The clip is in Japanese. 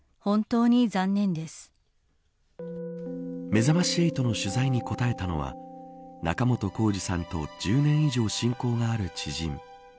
めざまし８の取材に答えたのは仲本工事さんと１０年以上親交がある知人。